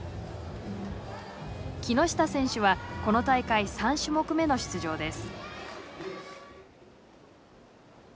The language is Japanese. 木下選手はこの大会３種目目の出場です。